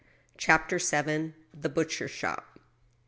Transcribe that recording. CHAPTER Vn. * THE butcher's SHOP.